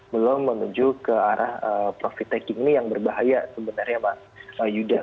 belum menuju ke arah profit taking ini yang berbahaya sebenarnya mas yuda